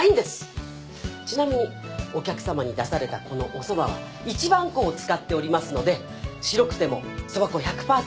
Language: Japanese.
ちなみにお客さまに出されたこのおそばは１番粉を使っておりますので白くてもそば粉１００％